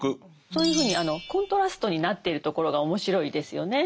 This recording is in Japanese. そういうふうにコントラストになっているところが面白いですよね。